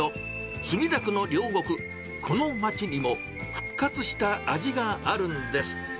墨田区の両国、この街にも復活した味があるんです。